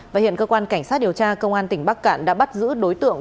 và hiện cơ quan cảnh sát điều tra công an tỉnh bắc cạn đã bắt giữ đối tượng